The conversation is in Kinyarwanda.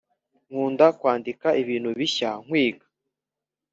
nkunda kwandika ibintu bishya nkwiga